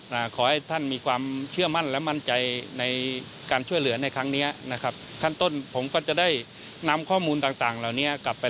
ขอให้ท่านมีความเชื่อมั่นและมั่นใจในการช่วยเหลือในครั้งเนี้ยนะครับขั้นต้นผมก็จะได้นำข้อมูลต่างต่างเหล่านี้กลับไป